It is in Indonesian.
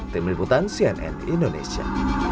tim liputan cnn indonesia